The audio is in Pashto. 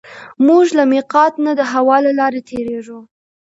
موږ له مېقات نه د هوا له لارې تېرېږو.